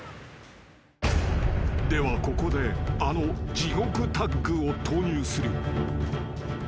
ではここであの地獄タッグを投入する］